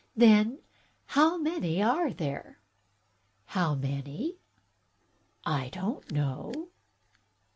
"Then how many are there?" "How many? I don't know."